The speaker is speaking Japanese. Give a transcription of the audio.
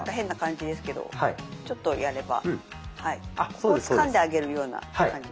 ここをつかんであげるような感じですかね。